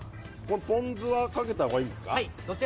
これ、ポン酢はかけたほうがいいですか？